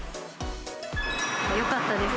よかったです。